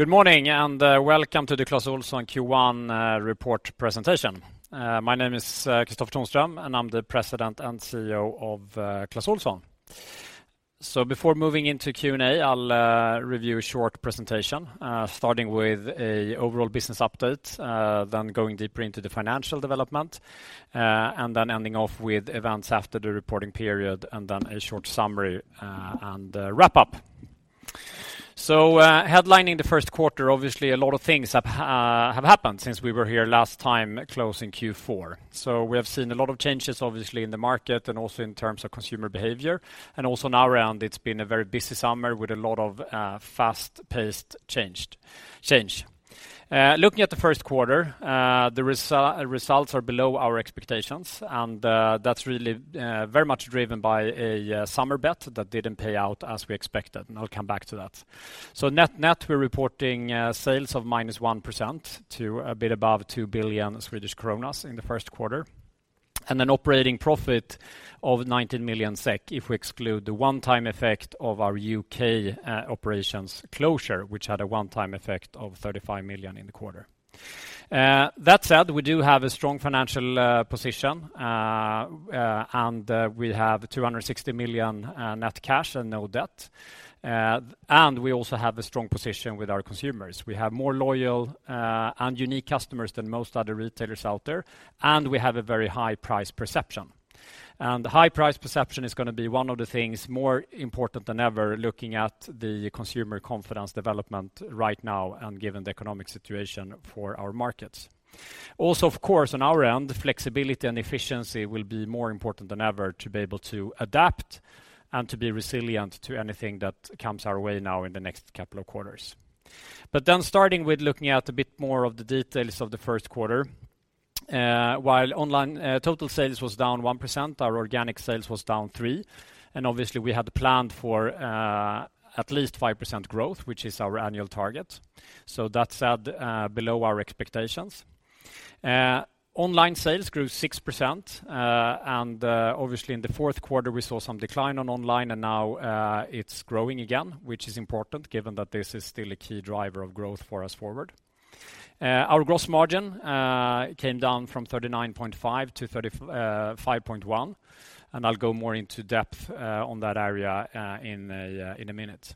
Good morning and welcome to the Clas Ohlson Q1 report presentation. My name is Kristofer Tonström, and I'm the President and CEO of Clas Ohlson. Before moving into Q&A, I'll review a short presentation, starting with an overall business update, then going deeper into the financial development, and then ending off with events after the reporting period and then a short summary, and wrap up. Headlining the first quarter, obviously a lot of things have happened since we were here last time closing Q4. We have seen a lot of changes, obviously, in the market and also in terms of consumer behavior. Also on our end, it's been a very busy summer with a lot of fast-paced change. Looking at the first quarter, the results are below our expectations, and that's really very much driven by a summer bet that didn't pay out as we expected. I'll come back to that. Net-net, we're reporting sales of -1% to a bit above 2 billion Swedish kronor in the first quarter, and an operating profit of 19 million SEK, if we exclude the one-time effect of our U.K. operations closure, which had a one-time effect of 35 million in the quarter. That said, we do have a strong financial position, and we have 260 million net cash and no debt. We also have a strong position with our consumers. We have more loyal and unique customers than most other retailers out there, and we have a very high price perception. The high price perception is gonna be one of the things more important than ever looking at the consumer confidence development right now and given the economic situation for our markets. Also, of course, on our end, flexibility and efficiency will be more important than ever to be able to adapt and to be resilient to anything that comes our way now in the next couple of quarters. Starting with looking at a bit more of the details of the first quarter, while online total sales was down 1%, our organic sales was down 3%. Obviously we had planned for at least 5% growth, which is our annual target. That said, below our expectations. Online sales grew 6%, obviously in the fourth quarter we saw some decline on online and now it's growing again, which is important given that this is still a key driver of growth for us forward. Our gross margin came down from 39.5%-35.1%, and I'll go more in depth on that area in a minute.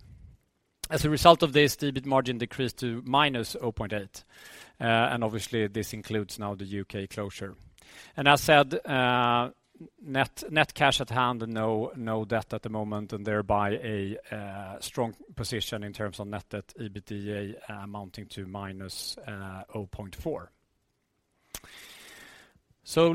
As a result of this, the EBIT margin decreased to -0.8%, and obviously this includes now the U.K. closure. As said, net cash at hand and no debt at the moment, and thereby a strong position in terms of net debt to EBITDA amounting to -0.4%.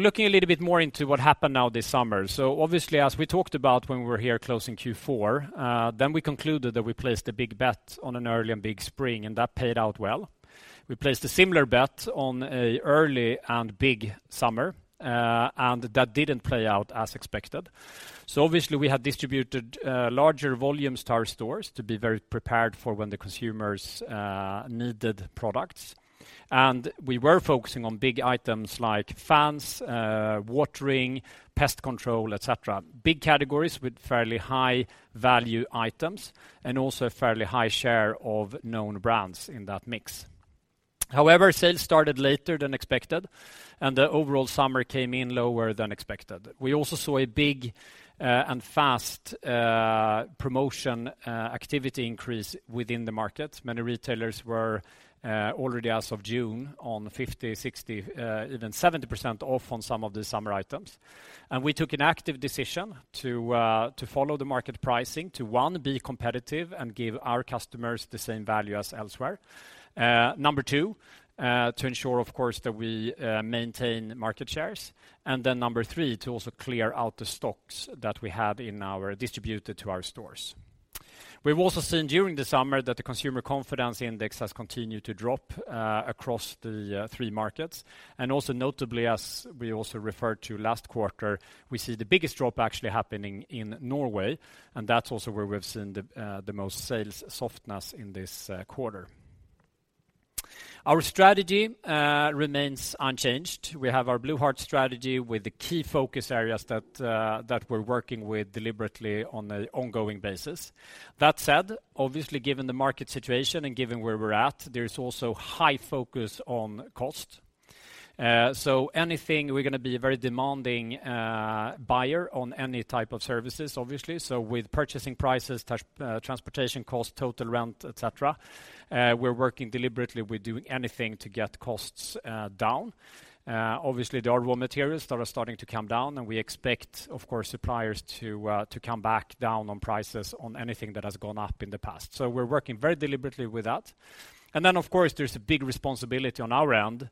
Looking a little bit more into what happened now this summer. Obviously, as we talked about when we were here closing Q4, then we concluded that we placed a big bet on an early and big spring, and that paid out well. We placed a similar bet on an early and big summer, and that didn't play out as expected. Obviously we had distributed larger volumes to our stores to be very prepared for when the consumers needed products. We were focusing on big items like fans, watering, pest control, et cetera. Big categories with fairly high value items and also fairly high share of known brands in that mix. However, sales started later than expected, and the overall summer came in lower than expected. We also saw a big and fast promotion activity increase within the market. Many retailers were already as of June on 50%, 60%, even 70% off on some of the summer items. We took an active decision to follow the market pricing to, one, be competitive and give our customers the same value as elsewhere. Number two, to ensure, of course, that we maintain market shares. Number three, to also clear out the stocks that we have in our distributor to our stores. We've also seen during the summer that the consumer confidence index has continued to drop across the three markets. Also notably, as we also referred to last quarter, we see the biggest drop actually happening in Norway, and that's also where we've seen the most sales softness in this quarter. Our strategy remains unchanged. We have our blue heart strategy with the key focus areas that we're working with deliberately on an ongoing basis. That said, obviously given the market situation and given where we're at, there's also high focus on cost. Anything, we're gonna be a very demanding buyer on any type of services, obviously. With purchasing prices, transportation costs, total rent, et cetera, we're working deliberately with doing anything to get costs down. Obviously, there are raw materials that are starting to come down, and we expect, of course, suppliers to come back down on prices on anything that has gone up in the past. We're working very deliberately with that. There's a big responsibility on our end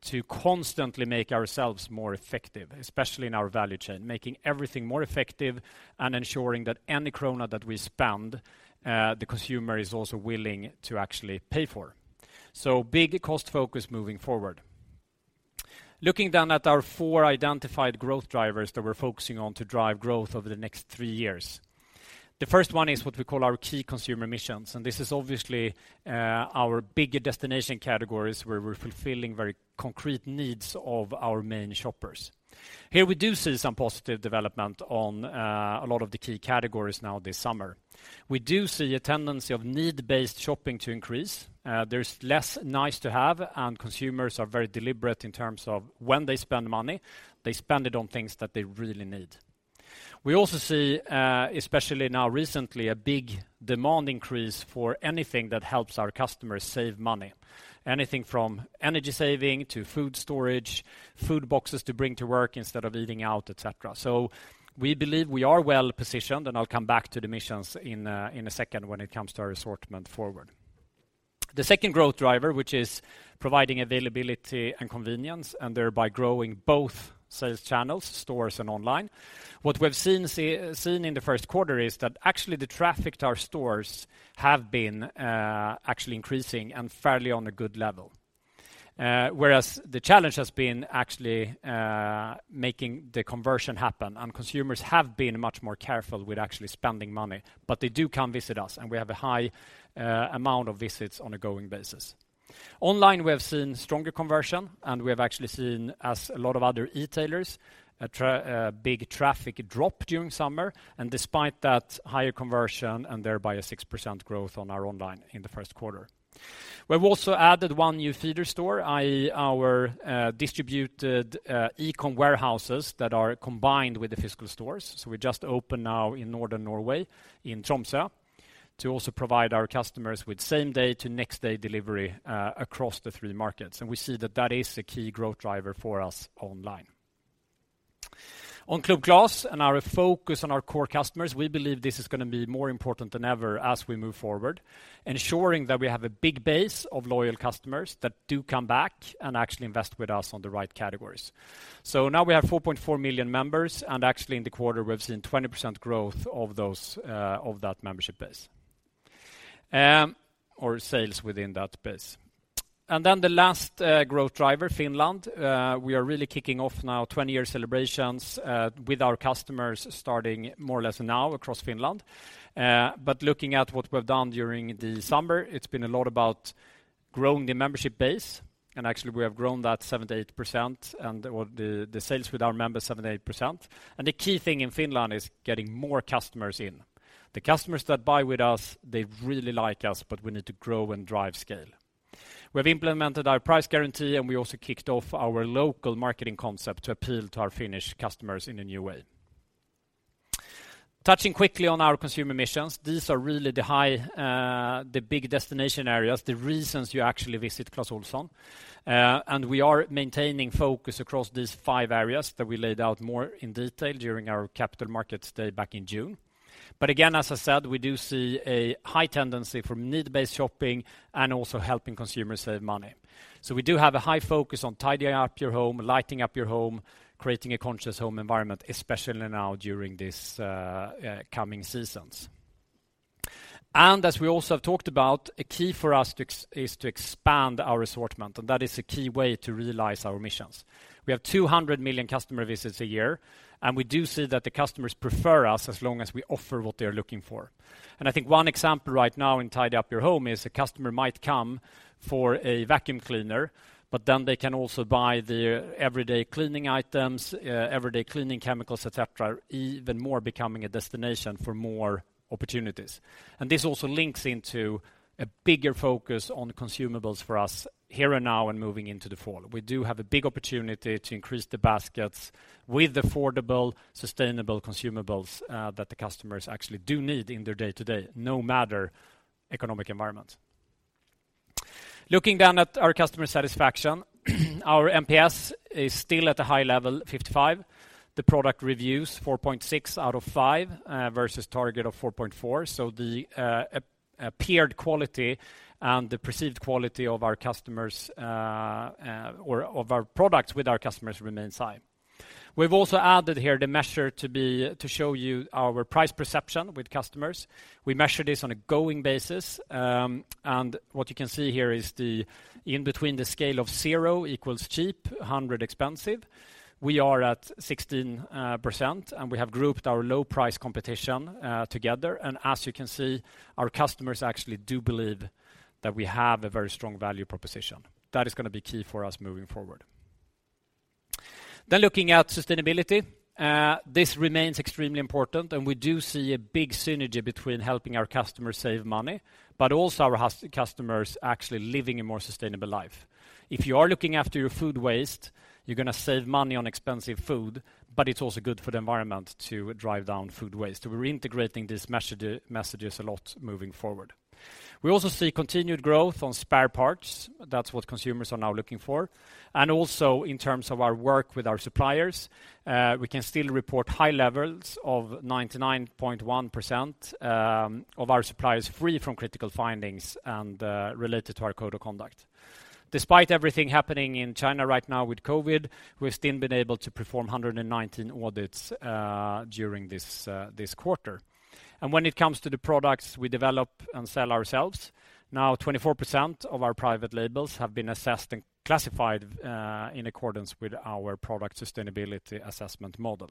to constantly make ourselves more effective, especially in our value chain, making everything more effective and ensuring that any krona that we spend, the consumer is also willing to actually pay for. Big cost focus moving forward. Looking at our four identified growth drivers that we're focusing on to drive growth over the next three years. The first one is what we call our key consumer missions, and this is obviously our bigger destination categories where we're fulfilling very concrete needs of our main shoppers. Here we do see some positive development on a lot of the key categories now this summer. We do see a tendency of need-based shopping to increase. There's less nice to have, and consumers are very deliberate in terms of when they spend money. They spend it on things that they really need. We also see, especially now recently, a big demand increase for anything that helps our customers save money. Anything from energy saving to food storage, food boxes to bring to work instead of eating out, et cetera. We believe we are well-positioned, and I'll come back to the missions in a second when it comes to our assortment forward. The second growth driver, which is providing availability and convenience, and thereby growing both sales channels, stores and online. What we've seen in the first quarter is that actually the traffic to our stores have been actually increasing and fairly on a good level. Whereas the challenge has been actually making the conversion happen, and consumers have been much more careful with actually spending money, but they do come visit us, and we have a high amount of visits on a going basis. Online, we have seen stronger conversion, and we have actually seen, as a lot of other e-tailers, a big traffic drop during summer. Despite that higher conversion and thereby a 6% growth on our online in the first quarter. We've also added one new feeder store, i.e. our distributed eCom warehouses that are combined with the physical stores. We just opened now in Northern Norway, in Tromsø, to also provide our customers with same-day to next-day delivery across the three markets. We see that is a key growth driver for us online. On Club Clas and our focus on our core customers, we believe this is gonna be more important than ever as we move forward, ensuring that we have a big base of loyal customers that do come back and actually invest with us on the right categories. Now we have 4.4 million members, and actually in the quarter, we've seen 20% growth of those, of that membership base, or sales within that base. Then the last growth driver, Finland. We are really kicking off now 20-year celebrations with our customers starting more or less now across Finland. Looking at what we've done during the summer, it's been a lot about growing the membership base. Actually we have grown that 7%-8% or the sales with our members 7%-8%. The key thing in Finland is getting more customers in. The customers that buy with us, they really like us, but we need to grow and drive scale. We have implemented our price guarantee, and we also kicked off our local marketing concept to appeal to our Finnish customers in a new way. Touching quickly on our consumer missions, these are really the big destination areas, the reasons you actually visit Clas Ohlson. We are maintaining focus across these five areas that we laid out more in detail during our Capital Markets Day back in June. Again, as I said, we do see a high tendency for need-based shopping and also helping consumers save money. We do have a high focus on tidying up your home, lighting up your home, creating a conscious home environment, especially now during this coming seasons. As we also have talked about, a key for us is to expand our assortment, and that is a key way to realize our missions. We have 200 million customer visits a year, and we do see that the customers prefer us as long as we offer what they are looking for. I think one example right now in tidy up your home is a customer might come for a vacuum cleaner, but then they can also buy their everyday cleaning items, everyday cleaning chemicals, et cetera, even more becoming a destination for more opportunities. This also links into a bigger focus on consumables for us here and now and moving into the fall. We do have a big opportunity to increase the baskets with affordable, sustainable consumables that the customers actually do need in their day-to-day, no matter economic environment. Looking at our customer satisfaction, our NPS is still at a high level, 55. The product reviews, 4.6 out of 5, versus target of 4.4. The apparent quality and the perceived quality of our products with our customers remains high. We've also added here the measure to show you our price perception with customers. We measure this on an ongoing basis. What you can see here is the scale between zero equals cheap, 100 expensive. We are at 16% and we have grouped our low price competition together. As you can see, our customers actually do believe that we have a very strong value proposition. That is gonna be key for us moving forward. Looking at sustainability, this remains extremely important and we do see a big synergy between helping our customers save money, but also our customers actually living a more sustainable life. If you are looking after your food waste, you're gonna save money on expensive food, but it's also good for the environment to drive down food waste. We're integrating these messages a lot moving forward. We also see continued growth on spare parts. That's what consumers are now looking for. Also in terms of our work with our suppliers, we can still report high levels of 99.1% of our suppliers free from critical findings and related to our code of conduct. Despite everything happening in China right now with COVID, we've still been able to perform 119 audits during this quarter. When it comes to the products we develop and sell ourselves, now 24% of our private labels have been assessed and classified in accordance with our product sustainability assessment model.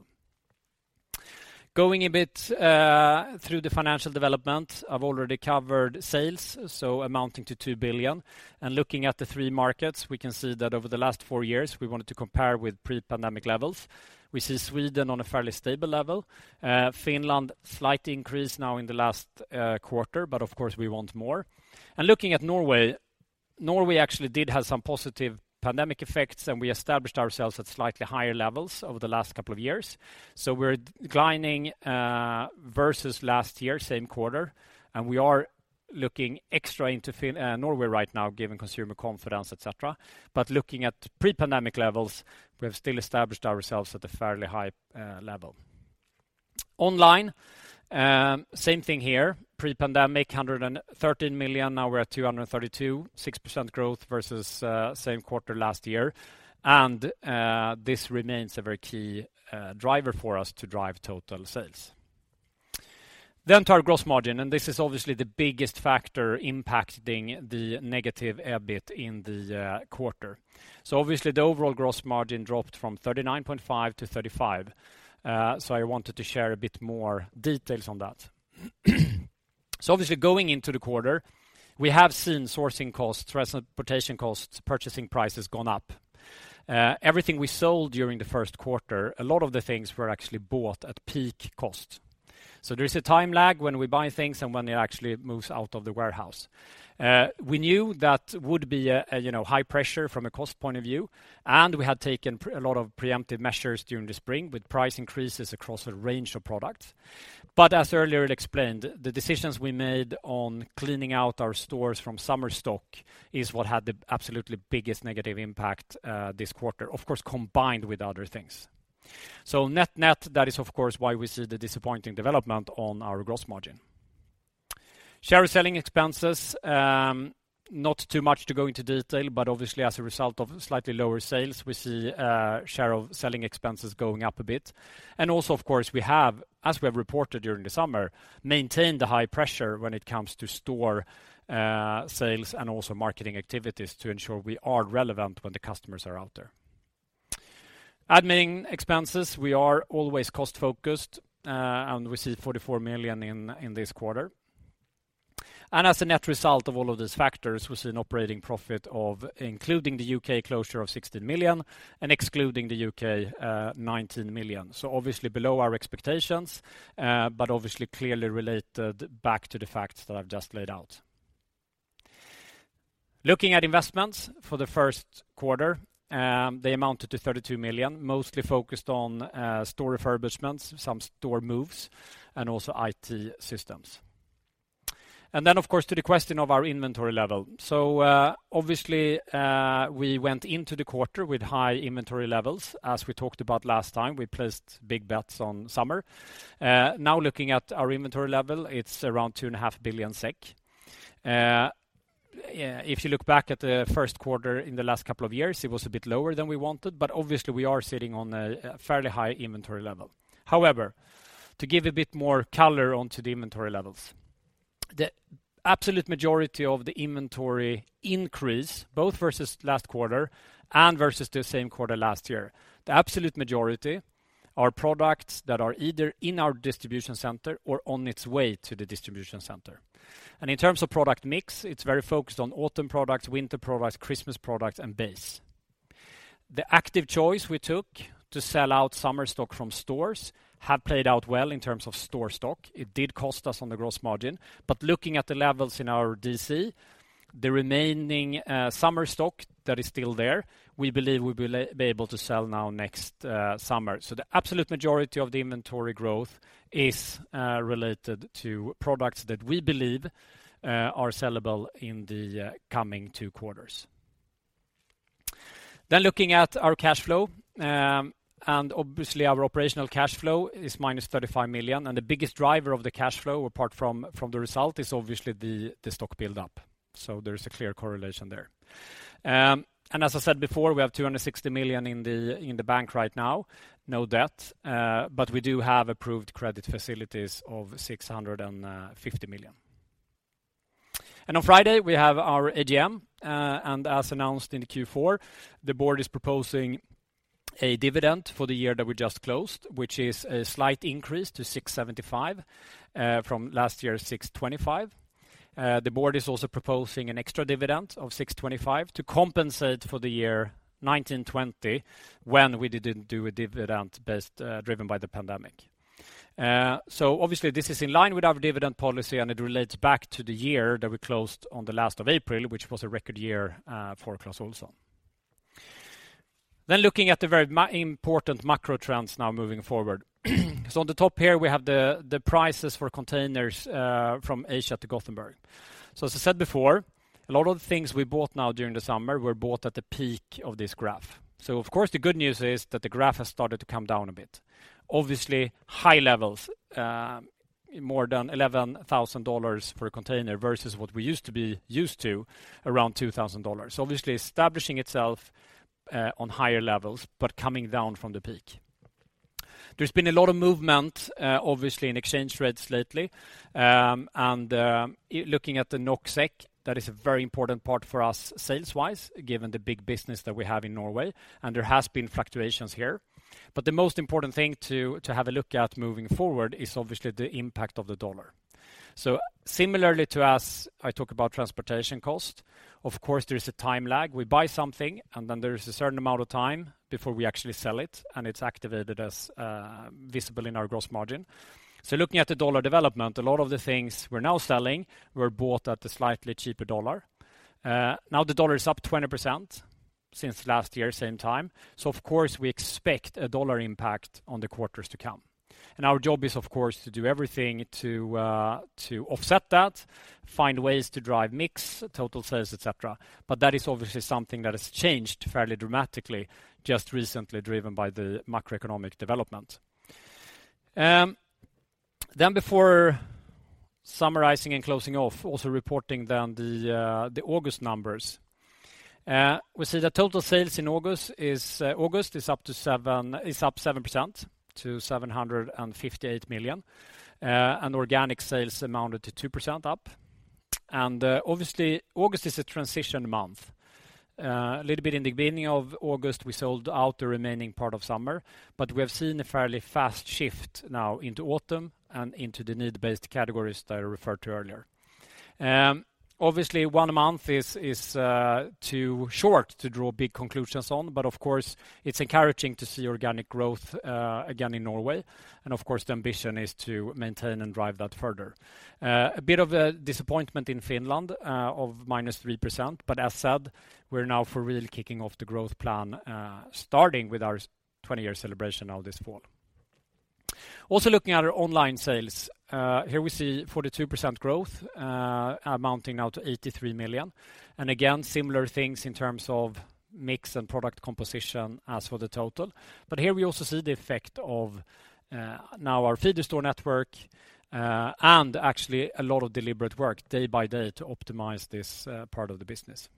Going a bit through the financial development. I've already covered sales, so amounting to 2 billion. Looking at the three markets, we can see that over the last four years, we wanted to compare with pre-pandemic levels. We see Sweden on a fairly stable level. Finland, slight increase now in the last quarter, but of course, we want more. Looking at Norway actually did have some positive pandemic effects, and we established ourselves at slightly higher levels over the last couple of years. We're declining versus last year, same quarter, and we are looking extra into Norway right now, given consumer confidence, et cetera. Looking at pre-pandemic levels, we have still established ourselves at a fairly high level. Online, same thing here. Pre-pandemic, 113 million. Now we're at 232 million, 6% growth versus same quarter last year. This remains a very key driver for us to drive total sales. To our gross margin, and this is obviously the biggest factor impacting the negative EBIT in the quarter. Obviously, the overall gross margin dropped from 39.5%-35%. I wanted to share a bit more details on that. Obviously, going into the quarter, we have seen sourcing costs, transportation costs, purchasing prices gone up. Everything we sold during the first quarter, a lot of the things were actually bought at peak cost. There is a time lag when we buy things and when it actually moves out of the warehouse. We knew that would be, you know, high pressure from a cost point of view, and we had taken a lot of preemptive measures during the spring with price increases across a range of products. As earlier explained, the decisions we made on cleaning out our stores from summer stock is what had the absolutely biggest negative impact, this quarter, of course, combined with other things. Net-net, that is, of course, why we see the disappointing development on our gross margin. Selling expenses, not too much to go into detail, but obviously, as a result of slightly lower sales, we see share of selling expenses going up a bit. Also, of course, we have, as we have reported during the summer, maintained the high pressure when it comes to store sales and also marketing activities to ensure we are relevant when the customers are out there. Admin expenses, we are always cost-focused, and we see 44 million in this quarter. As a net result of all of these factors, we see an operating profit of, including the U.K. closure, 16 million and excluding the U.K., 19 million. Obviously below our expectations, but obviously clearly related back to the facts that I've just laid out. Looking at investments for the first quarter, they amounted to 32 million, mostly focused on store refurbishments, some store moves, and also IT systems. Of course, to the question of our inventory level. Obviously, we went into the quarter with high inventory levels. As we talked about last time, we placed big bets on summer. Now looking at our inventory level, it's around 2.5 billion SEK. If you look back at the first quarter in the last couple of years, it was a bit lower than we wanted, but obviously, we are sitting on a fairly high inventory level. However, to give a bit more color onto the inventory levels, the absolute majority of the inventory increase, both versus last quarter and versus the same quarter last year, the absolute majority are products that are either in our distribution center or on its way to the distribution center. In terms of product mix, it's very focused on autumn products, winter products, Christmas products, and base. The active choice we took to sell out summer stock from stores have played out well in terms of store stock. It did cost us on the gross margin. Looking at the levels in our DC, the remaining summer stock that is still there, we believe we will be able to sell next summer. The absolute majority of the inventory growth is related to products that we believe are sellable in the coming two quarters. Looking at our cash flow, and obviously, our operational cash flow is -35 million, and the biggest driver of the cash flow, apart from the result, is obviously the stock buildup. There is a clear correlation there. As I said before, we have 260 million in the bank right now, no debt, but we do have approved credit facilities of 650 million. On Friday, we have our AGM, and as announced in the Q4, the board is proposing a dividend for the year that we just closed, which is a slight increase to 6.75 from last year's 6.25. The board is also proposing an extra dividend of 6.25 to compensate for the year 2019/2020 when we didn't do a dividend based, driven by the pandemic. Obviously, this is in line with our dividend policy, and it relates back to the year that we closed on the last of April, which was a record year for Clas Ohlson. Looking at the very important macro trends now moving forward. On the top here, we have the prices for containers from Asia to Gothenburg. As I said before, a lot of the things we bought now during the summer were bought at the peak of this graph. Of course, the good news is that the graph has started to come down a bit. Obviously, high levels, more than $11,000 for a container versus what we used to be used to, around $2,000. Obviously, establishing itself on higher levels, but coming down from the peak. There's been a lot of movement, obviously in exchange rates lately. Looking at the NOKSEK, that is a very important part for us sales-wise, given the big business that we have in Norway, and there has been fluctuations here. The most important thing to have a look at moving forward is obviously the impact of the dollar. Similarly to as I talk about transportation cost, of course, there is a time lag. We buy something, and then there is a certain amount of time before we actually sell it, and it's activated as visible in our gross margin. Looking at the dollar development, a lot of the things we're now selling were bought at a slightly cheaper dollar. Now the dollar is up 20% since last year same time. Of course, we expect a dollar impact on the quarters to come. Our job is, of course, to do everything to offset that, find ways to drive mix, total sales, et cetera. That is obviously something that has changed fairly dramatically just recently, driven by the macroeconomic development. Before summarizing and closing off, also reporting the August numbers. We see the total sales in August is up 7% to 758 million, and organic sales amounted to 2% up. Obviously August is a transition month. A little bit in the beginning of August, we sold out the remaining part of summer, but we have seen a fairly fast shift now into autumn and into the need-based categories that I referred to earlier. Obviously one month is too short to draw big conclusions on, but of course it's encouraging to see organic growth again in Norway, and of course, the ambition is to maintain and drive that further. A bit of a disappointment in Finland of -3%, but as said, we're now for real kicking off the growth plan starting with our 20-year celebration now this fall. Also looking at our online sales, here we see 42% growth amounting now to 83 million. Again, similar things in terms of mix and product composition as for the total. Here we also see the effect of now our feeder store network, and actually a lot of deliberate work day by day to optimize this part of the business.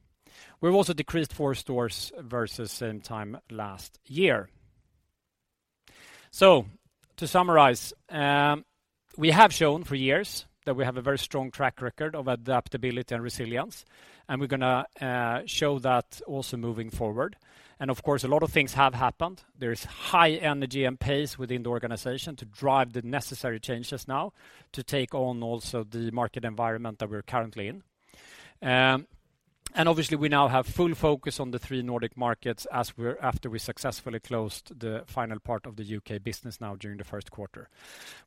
We've also decreased four stores versus the same time last year. To summarize, we have shown for years that we have a very strong track record of adaptability and resilience, and we're gonna show that also moving forward. Of course, a lot of things have happened. There is high energy and pace within the organization to drive the necessary changes now to take on also the market environment that we're currently in. Obviously we now have full focus on the three Nordic markets after we successfully closed the final part of the U.K. business now during the first quarter.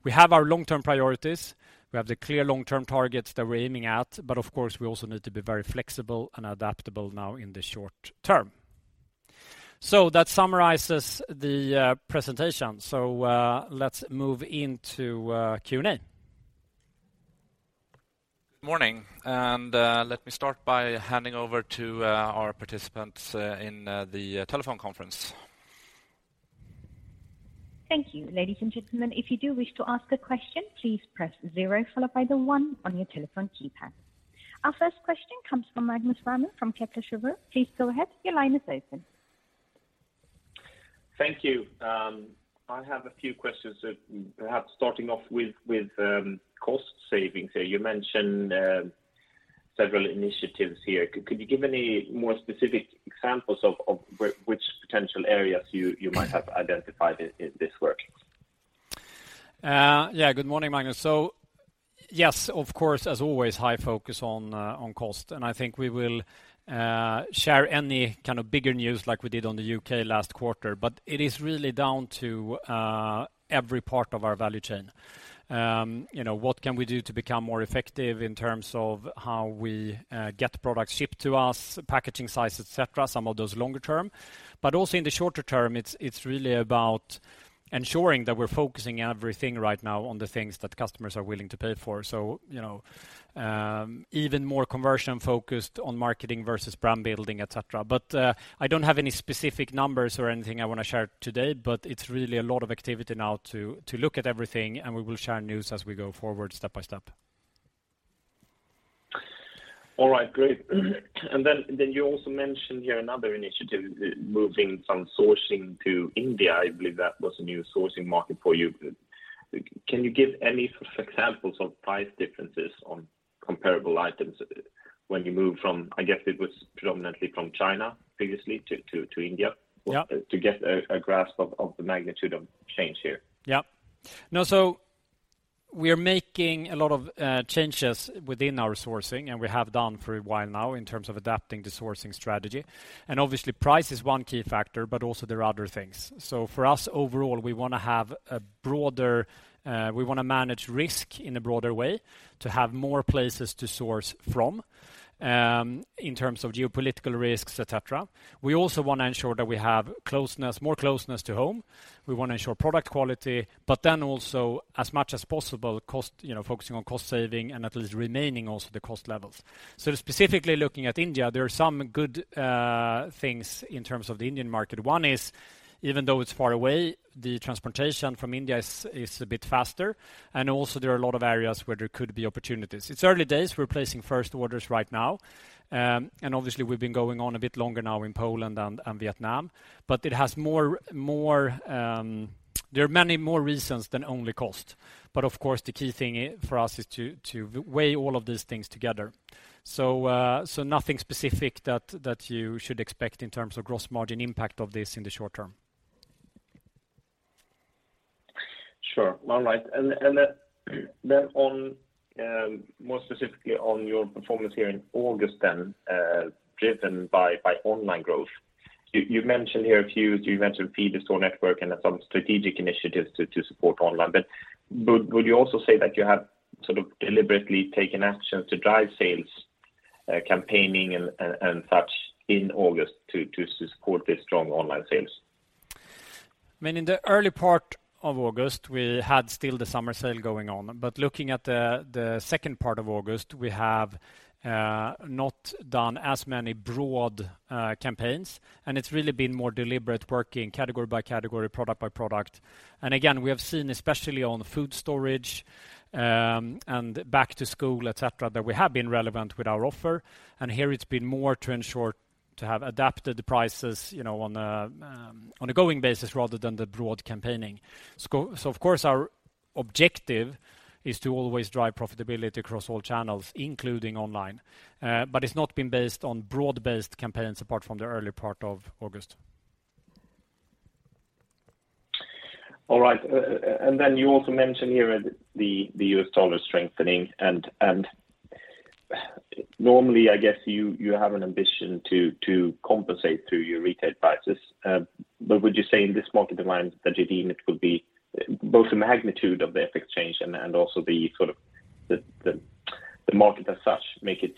We have our long-term priorities. We have the clear long-term targets that we're aiming at, but of course, we also need to be very flexible and adaptable now in the short term. That summarizes the presentation. Let's move into Q&A. Good morning, let me start by handing over to our participants in the telephone conference. Thank you. Ladies and gentlemen, if you do wish to ask a question, please press zero followed by the one on your telephone keypad. Our first question comes from Magnus Råman from Kepler Cheuvreux. Please go ahead. Your line is open. Thank you. I have a few questions, perhaps starting off with cost savings here. You mentioned several initiatives here. Could you give any more specific examples of which potential areas you might have identified in this work? Good morning, Magnus. Yes, of course, as always, high focus on cost, and I think we will share any kind of bigger news like we did on the U.K. last quarter. It is really down to every part of our value chain. You know, what can we do to become more effective in terms of how we get products shipped to us, packaging size, et cetera, some of those longer term. Also in the shorter term, it's really about ensuring that we're focusing everything right now on the things that customers are willing to pay for. You know, even more conversion focused on marketing versus brand building, et cetera. I don't have any specific numbers or anything I wanna share today, but it's really a lot of activity now to look at everything, and we will share news as we go forward step by step. All right. Great. Then you also mentioned here another initiative, moving some sourcing to India. I believe that was a new sourcing market for you. Can you give any sort of examples of price differences on comparable items when you move from, I guess it was predominantly from China previously to India to get a grasp of the magnitude of change here? Yeah. No, we are making a lot of changes within our sourcing, and we have done for a while now in terms of adapting the sourcing strategy. Obviously price is one key factor, but also there are other things. For us overall, we wanna manage risk in a broader way to have more places to source from, in terms of geopolitical risks, et cetera. We also wanna ensure that we have closeness, more closeness to home. We wanna ensure product quality, but then also as much as possible cost, you know, focusing on cost saving and at least remaining also the cost levels. Specifically looking at India, there are some good things in terms of the Indian market. One is even though it's far away, the transportation from India is a bit faster, and also there are a lot of areas where there could be opportunities. It's early days. We're placing first orders right now. Obviously we've been going on a bit longer now in Poland and Vietnam, but it has more. There are many more reasons than only cost. Of course, the key thing for us is to weigh all of these things together. Nothing specific that you should expect in terms of gross margin impact of this in the short term. Sure. All right. Then, more specifically on your performance here in August, then driven by online growth. You mentioned here a few feeder store network and some strategic initiatives to support online. Would you also say that you have sort of deliberately taken action to drive sales, campaigning and such in August to support this strong online sales? I mean, in the early part of August, we had still the summer sale going on. Looking at the second part of August, we have not done as many broad campaigns, and it's really been more deliberate working category by category, product by product. Again, we have seen especially on food storage and back to school, et cetera, that we have been relevant with our offer. Here it's been more to ensure to have adapted the prices, you know, on an ongoing basis rather than the broad campaigning. Of course our objective is to always drive profitability across all channels, including online. It's not been based on broad-based campaigns apart from the early part of August. All right. Then you also mentioned here the U.S. dollar strengthening. Normally, I guess you have an ambition to compensate through your retail prices. Would you say in this market demand that you deem it would be both the magnitude of the FX change and also the sort of the market as such make it,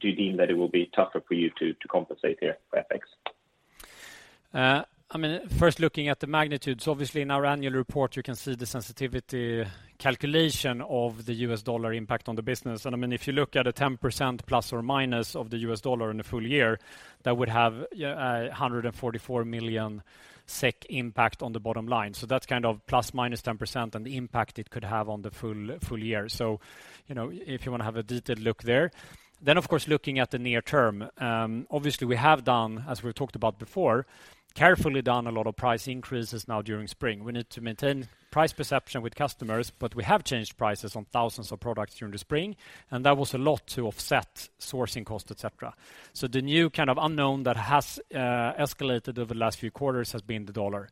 do you deem that it will be tougher for you to compensate here for FX? I mean, first looking at the magnitudes, obviously in our annual report, you can see the sensitivity calculation of the U.S. dollar impact on the business. I mean, if you look at a 10% ± of the U.S. dollar in a full year, that would have a 144 million SEK impact on the bottom line. That's kind of ±10% and the impact it could have on the full year. You know, if you want to have a detailed look there. Of course, looking at the near term, obviously we have done, as we've talked about before, carefully done a lot of price increases now during spring. We need to maintain price perception with customers, but we have changed prices on thousands of products during the spring, and that was a lot to offset sourcing costs, et cetera. The new kind of unknown that has escalated over the last few quarters has been the dollar.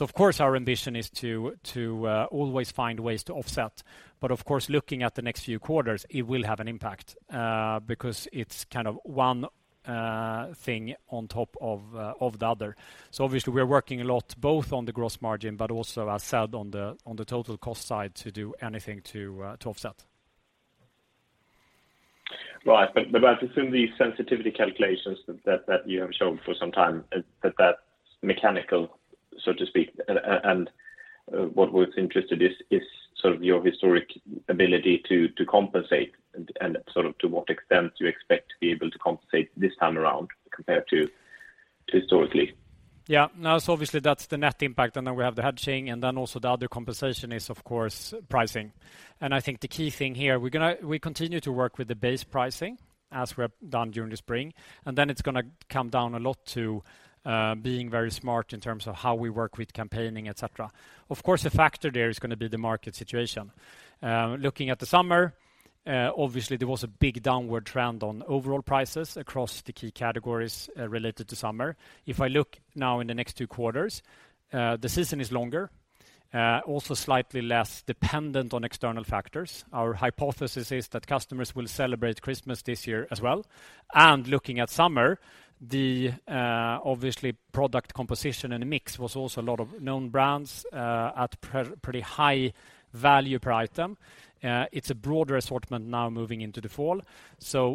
Of course, our ambition is to always find ways to offset. Of course, looking at the next few quarters, it will have an impact, because it's kind of one thing on top of the other. Obviously, we are working a lot both on the gross margin, but also as said on the total cost side to do anything to offset. Right. I assume the sensitivity calculations that you have shown for some time, that that's mechanical, so to speak. What we're interested is sort of your historic ability to compensate and sort of to what extent you expect to be able to compensate this time around compared to historically. Yeah. Now, obviously that's the net impact, and then we have the hedging, and then also the other compensation is, of course, pricing. I think the key thing here, we continue to work with the base pricing as we have done during the spring. It's gonna come down a lot to being very smart in terms of how we work with campaigning, et cetera. Of course, a factor there is gonna be the market situation. Looking at the summer, obviously, there was a big downward trend on overall prices across the key categories related to summer. If I look now in the next two quarters, the season is longer, also slightly less dependent on external factors. Our hypothesis is that customers will celebrate Christmas this year as well. Looking at summer, obviously product composition and mix was also a lot of known brands at pretty high value per item. It's a broader assortment now moving into the fall.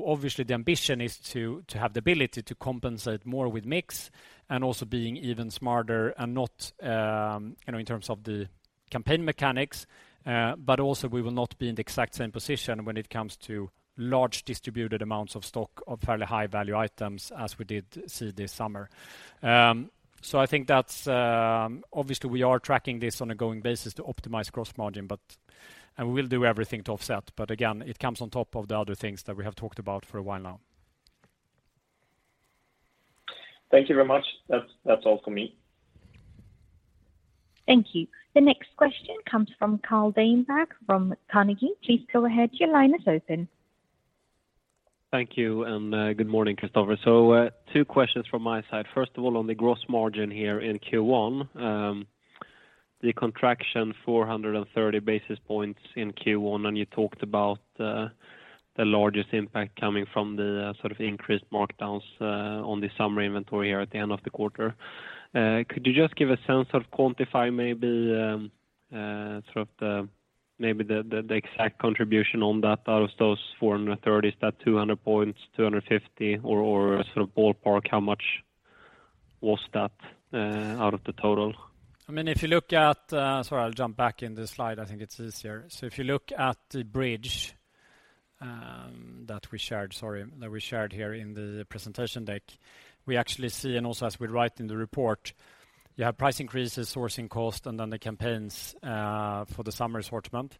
Obviously the ambition is to have the ability to compensate more with mix and also being even smarter and not you know in terms of the campaign mechanics, but also we will not be in the exact same position when it comes to large distributed amounts of stock of fairly high value items as we did see this summer. I think that's obviously we are tracking this on an ongoing basis to optimize gross margin, but and we will do everything to offset. But again, it comes on top of the other things that we have talked about for a while now. Thank you very much. That's all for me. Thank you. The next question comes from Carl Deijenberg from Carnegie. Please go ahead. Your line is open. Thank you, good morning, Kristofer. Two questions from my side. First of all, on the gross margin here in Q1, the contraction 430 basis points in Q1, and you talked about the largest impact coming from the sort of increased markdowns on the summer inventory here at the end of the quarter. Could you just give a sense of quantify maybe sort of the exact contribution on that out of those 430 basis points? Is that 200 points, 250 points or sort of ballpark how much was that out of the total? I mean, if you look at, sorry, I'll jump back in the slide. I think it's easier. If you look at the bridge that we shared here in the presentation deck, we actually see, and also as we write in the report, you have price increases, sourcing cost, and then the campaigns for the summer assortment.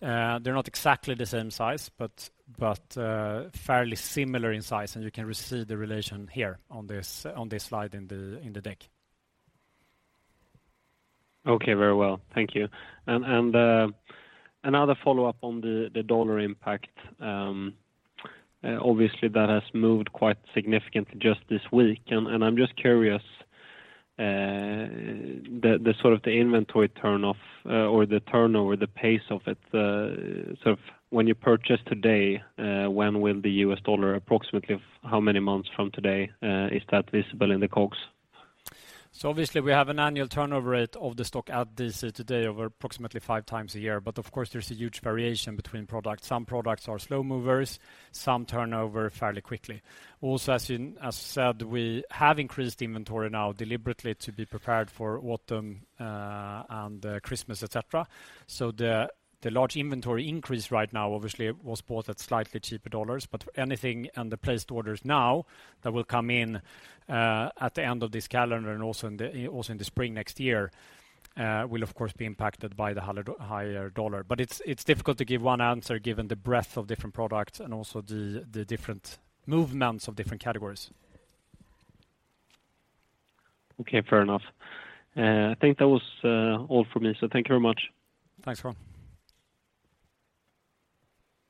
They're not exactly the same size, but fairly similar in size, and you can see the relation here on this slide in the deck. Okay. Very well. Thank you. Another follow-up on the dollar impact. Obviously, that has moved quite significantly just this week. I'm just curious, the sort of inventory turnover, or the turnover, the pace of it, sort of when you purchase today, when will the U.S. dollar approximately how many months from today is that visible in the COGS? Obviously we have an annual turnover rate of the stock at DC today over approximately 5x a year. Of course, there's a huge variation between products. Some products are slow movers, some turn over fairly quickly. Also, as said, we have increased inventory now deliberately to be prepared for autumn and Christmas, et cetera. The large inventory increase right now obviously was bought at slightly cheaper dollars. Anything and the placed orders now that will come in at the end of this calendar and also in the spring next year will of course be impacted by the higher dollar. It's difficult to give one answer given the breadth of different products and also the different movements of different categories. Okay, fair enough. I think that was all for me, so thank you very much. Thanks, Carl.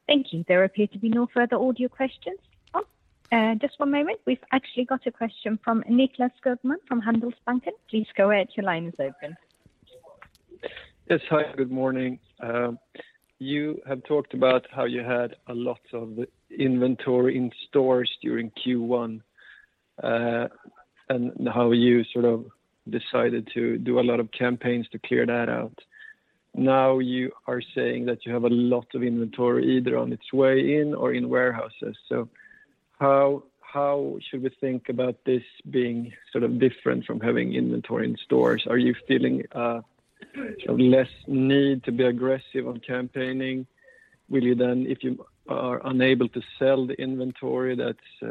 Thank you. There appear to be no further audio questions. Just one moment. We've actually got a question from Nicklas Skogman from Handelsbanken. Please go ahead. Your line is open. Yes. Hi, good morning. You have talked about how you had a lot of inventory in stores during Q1, and how you sort of decided to do a lot of campaigns to clear that out. Now you are saying that you have a lot of inventory either on its way in or in warehouses. How should we think about this being sort of different from having inventory in stores? Are you feeling less need to be aggressive on campaigning? Will you then, if you are unable to sell the inventory that's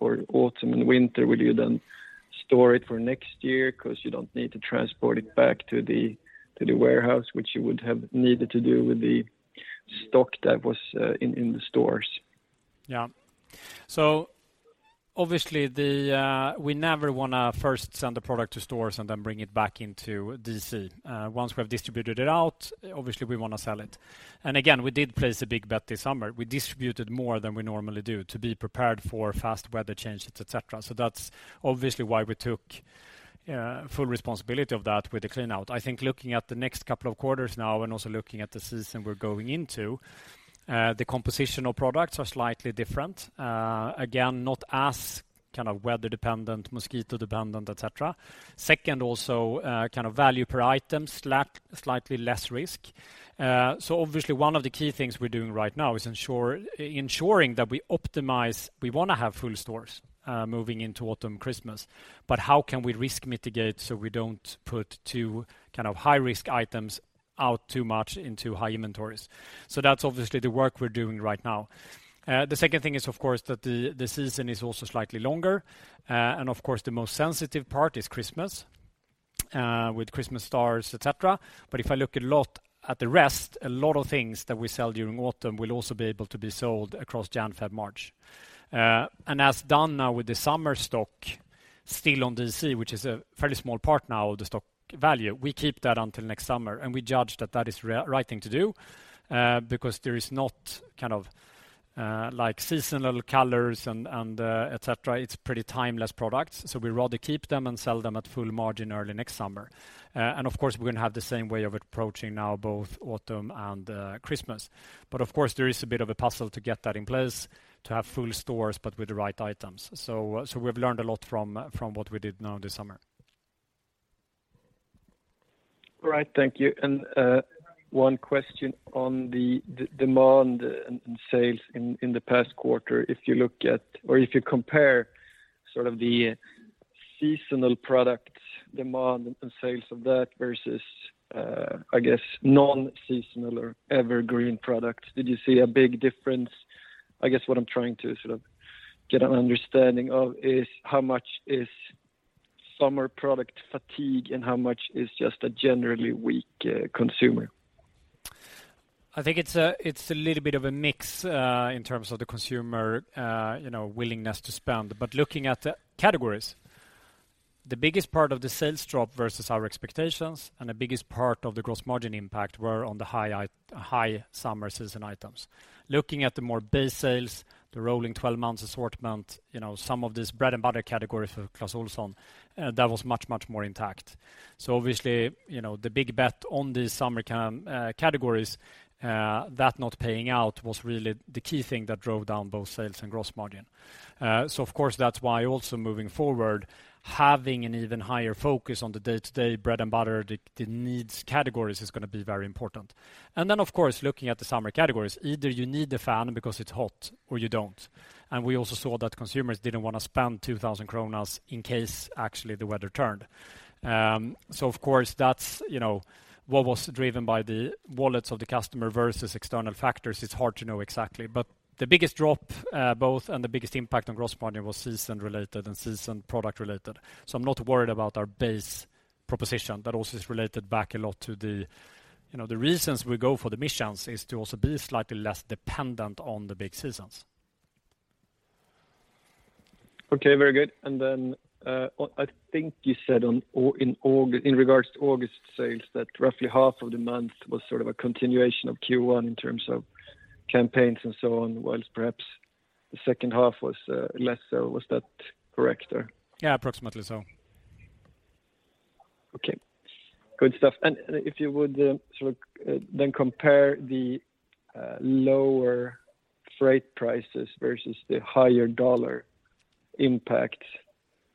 for autumn and winter, will you then store it for next year 'cause you don't need to transport it back to the warehouse, which you would have needed to do with the stock that was in the stores? Yeah. Obviously we never wanna first send the product to stores and then bring it back into DC. Once we have distributed it out, obviously we wanna sell it. Again, we did place a big bet this summer. We distributed more than we normally do to be prepared for fast weather changes, et cetera. That's obviously why we took full responsibility of that with the clean out. I think looking at the next couple of quarters now and also looking at the season we're going into, the composition of products are slightly different. Again, not as kind of weather dependent, mosquito dependent, et cetera. Second, also, kind of value per item, slightly less risk. Obviously one of the key things we're doing right now is ensuring that we optimize, we want to have full stores, moving into autumn, Christmas, but how can we risk mitigate so we don't put too kind of high-risk items out too much into high inventories. That's obviously the work we're doing right now. The second thing is of course that the season is also slightly longer, and of course the most sensitive part is Christmas, with Christmas stars, et cetera. If I look a lot at the rest, a lot of things that we sell during autumn will also be able to be sold across Jan, Feb, March. As we do now with the summer stock still on DC, which is a fairly small part now of the stock value, we keep that until next summer, and we judge that that is right thing to do, because there is not kind of like seasonal colors and et cetera. It's pretty timeless products, so we'd rather keep them and sell them at full margin early next summer. Of course, we're gonna have the same way of approaching now both autumn and Christmas. There is a bit of a puzzle to get that in place to have full stores but with the right items. We've learned a lot from what we did now this summer. All right. Thank you. One question on the demand and sales in the past quarter. If you look at or if you compare sort of the seasonal product demand and sales of that versus, I guess non-seasonal or evergreen products, did you see a big difference? I guess what I'm trying to sort of get an understanding of is how much is summer product fatigue and how much is just a generally weak consumer. I think it's a little bit of a mix in terms of the consumer you know willingness to spend. Looking at the categories, the biggest part of the sales drop versus our expectations and the biggest part of the gross margin impact were on the high summer season items. Looking at the more base sales, the rolling twelve months assortment, you know, some of this bread and butter categories for Clas Ohlson that was much more intact. Obviously, you know, the big bet on the summer categories that not paying out was really the key thing that drove down both sales and gross margin. Of course, that's why also moving forward, having an even higher focus on the day-to-day bread and butter, the needs categories is gonna be very important. Of course, looking at the summer categories, either you need the fan because it's hot or you don't. We also saw that consumers didn't wanna spend 2,000 kronor in case actually the weather turned. Of course, that's, you know, what was driven by the wallets of the customer versus external factors, it's hard to know exactly. The biggest drop and the biggest impact on gross margin was season-related and season product related. I'm not worried about our base proposition. That also is related back a lot to the, you know, the reasons we go for the missions is to also be slightly less dependent on the big seasons. Okay, very good. Then, I think you said in regards to August sales that roughly half of the month was sort of a continuation of Q1 in terms of campaigns and so on, while perhaps the second half was less so. Was that correct there? Yeah, approximately so. Okay. Good stuff. If you would then compare the lower freight prices versus the higher dollar impact,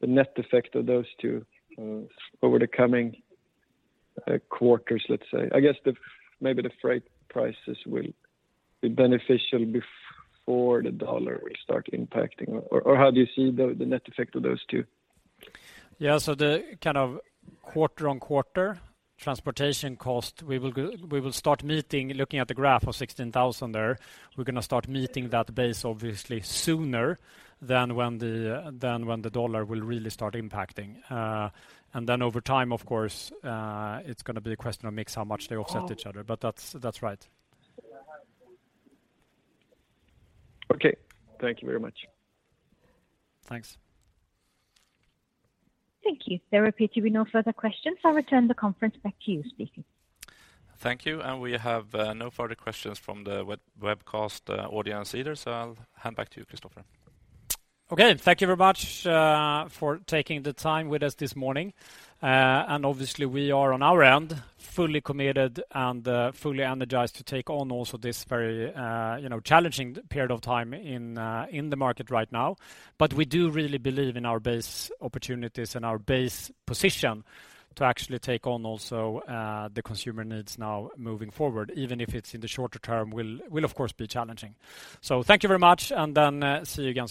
the net effect of those two over the coming quarters, let's say. I guess maybe the freight prices will be beneficial before the dollar will start impacting. Or how do you see the net effect of those two? Yeah. The kind of quarter-on-quarter transportation cost, we will start meeting, looking at the graph of 16,000 there, we're gonna start meeting that base obviously sooner than when the dollar will really start impacting. Then over time, of course, it's gonna be a question of mix how much they offset each other. That's right. Okay. Thank you very much. Thanks. Thank you. There appear to be no further questions. I'll return the call back to you, speaker. Thank you. We have no further questions from the webcast audience either. I'll hand back to you, Kristofer. Okay. Thank you very much for taking the time with us this morning. Obviously we are on our end fully committed and fully energized to take on also this very, you know, challenging period of time in the market right now. But we do really believe in our base opportunities and our base position to actually take on also the consumer needs now moving forward, even if it's in the shorter term will of course be challenging. Thank you very much, and then see you again soon.